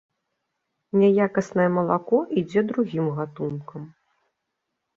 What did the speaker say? Няякаснае малако ідзе другім гатункам.